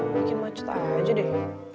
bagi macet aja deh